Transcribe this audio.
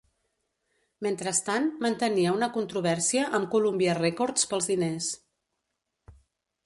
Mentrestant, mantenia una controvèrsia amb Columbia Records pels diners.